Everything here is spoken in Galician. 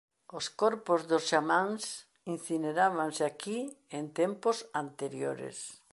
Os corpos dos xamáns incinerábanse aquí en tempos anteriores.